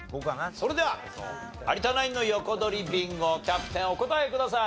それでは有田ナインの横取りビンゴキャプテンお答えください。